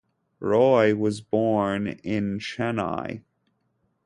Roy was born in Chennai.